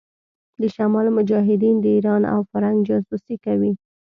د شمال مجاهدين د ايران او فرنګ جاسوسي کوي.